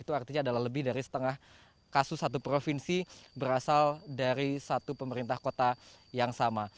itu artinya adalah lebih dari setengah kasus satu provinsi berasal dari satu pemerintah kota yang sama